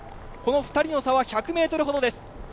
この２人の差は１００ｍほどです。